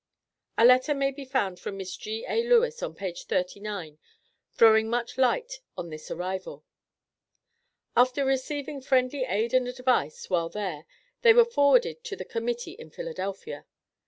[A letter may be found from Miss G.A. Lewis, on page thirty nine, throwing much light on this arrival]. After receiving friendly aid and advice while there, they were forwarded to the Committee in Philadelphia.